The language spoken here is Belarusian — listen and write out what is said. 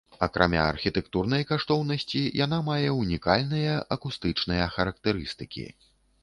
Акрамя архітэктурнай каштоўнасці, яна мае унікальныя акустычныя характарыстыкі.